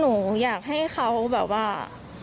หนูอยากให้เขาแบบว่า